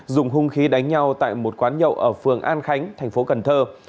dùng hung khí đánh nhau tại một quán nhậu ở phường an khánh thành phố cần thơ